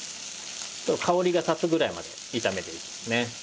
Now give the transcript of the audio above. ちょっと香りが立つぐらいまで炒めていきますね。